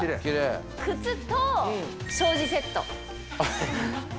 靴と、庄司セット。